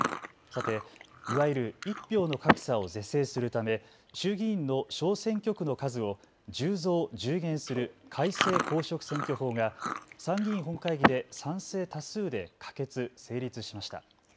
さて、いわゆる１票の格差を是正するため衆議院の小選挙区の数を１０増１０減する改正公職選挙法が参議院本会議で賛成多数で可決・成立しました。